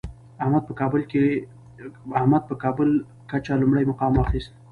احمد په کابل کچه لومړی مقام واخیست.